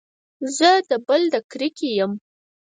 زه د بل د کرکې يم.